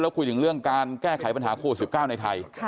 คุยถึงเรื่องการแก้ไขปัญหาโควิด๑๙ในไทย